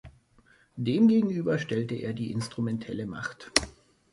Dem gegenüber stellt er die "instrumentelle Macht".